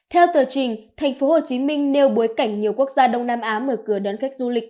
theo tờ trình thành phố hồ chí minh nêu bối cảnh nhiều quốc gia đông nam á mở cửa đón khách du lịch